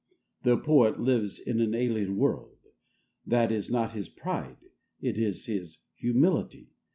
The poet lives in an alien world. That is not his pride; it is his humility.